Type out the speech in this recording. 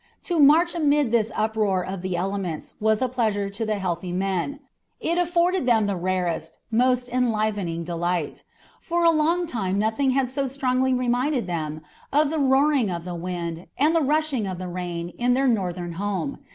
To march amid this uproar of the elements was a pleasure to the healthy men. It afforded them the rarest, most enlivening delight. For a long time nothing had so strongly reminded them of the roaring of the wind and the rushing of the rain in their northern home.